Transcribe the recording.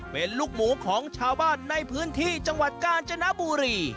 เป็นลูกหมูของชาวบ้านในพื้นที่จังหวัดกาญจนบุรี